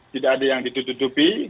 tidak ada yang ditutupi